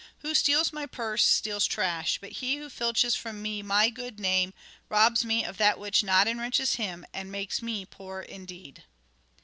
Who steals my purse steals trash, .... But he who niches from me my good name, Robs me of that which not enriches him, And makes me poor indeed."